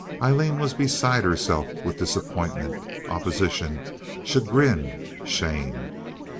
Aileen was beside herself with disappointment, opposition, chagrin, shame.